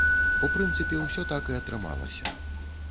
У прынцыпе, усё так і атрымалася.